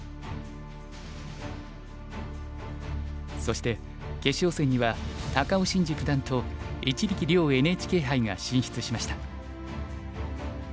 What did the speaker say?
そして決勝戦には高尾紳路九段と一力遼ＮＨＫ杯が進出しました。